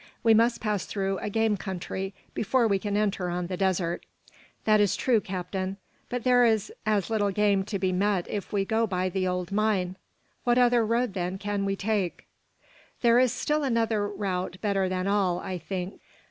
We must pass through a game country before we can enter on the desert." "That is true, captain; but there is as little game to be met if we go by the old mine. What other road, then, can we take?" "There is still another route better than all, I think.